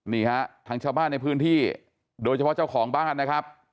นี่ฮะทางชาวบ้านในพื้นที่โดยเฉพาะเจ้าของบ้านนะครับ